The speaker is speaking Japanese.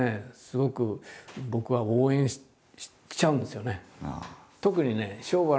すごく僕は応援しちゃうんですよね。